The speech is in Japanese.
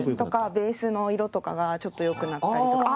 ベースの色とかがちょっと良くなったりとか。